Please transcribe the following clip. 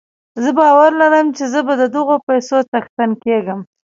زه باور لرم چې زه به د دغو پيسو څښتن کېږم.